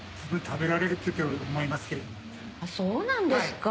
そうなんですか。